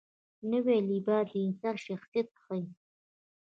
نوی لباس د انسان شخصیت ښیي